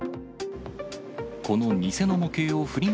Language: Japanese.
この偽の模型をフリマ